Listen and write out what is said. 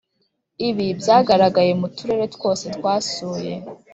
ibi byagaragaye mu turere twose twasuwe.